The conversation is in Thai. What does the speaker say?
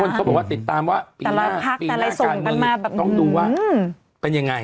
เขาบอกว่าติดตามว่าปีหน้าปีรายการต้องดูว่าเป็นยังไง